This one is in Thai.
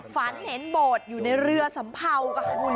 ฝันเห็นโบดอยู่ในเรือสำเภากับคุณ